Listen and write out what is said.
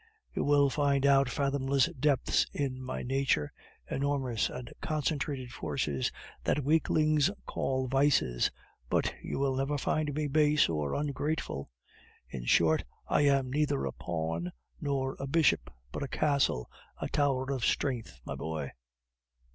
You will find out fathomless depths in my nature, enormous and concentrated forces that weaklings call vices, but you will never find me base or ungrateful. In short, I am neither a pawn nor a bishop, but a castle, a tower of strength, my boy."